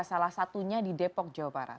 salah satunya di depok jawa barat